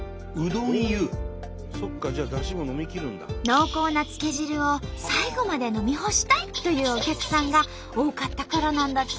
濃厚なつけ汁を最後まで飲み干したいというお客さんが多かったからなんだって。